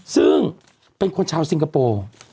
ซึ่งเป็นคนชาวสิงคโปร์